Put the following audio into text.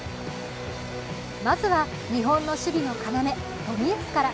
まずは日本の守備の要、冨安から。